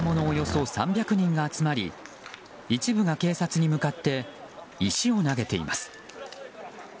およそ３００人が集まり一部が警察に向かって石を投げています。